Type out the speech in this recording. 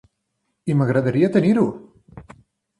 I m'agradaria tenir-ho!